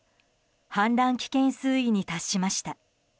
氾濫危険水位に達しました。